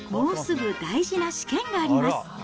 もうすぐ大事な試験があります。